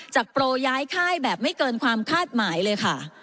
โปรย้ายค่ายแบบไม่เกินความคาดหมายเลยค่ะ